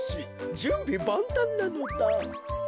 じゅんびばんたんなのだ。